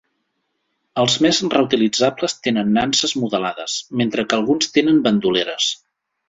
Els més reutilitzables tenen nanses modelades, mentre que alguns tenen bandoleres.